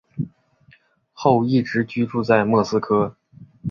后一直居住在莫斯科。